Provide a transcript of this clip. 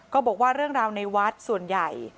ก็บอกว่าเรื่องราวในวัดส่วนใหญ่